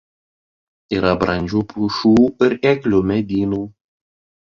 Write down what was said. Yra brandžių pušų ir eglių medynų.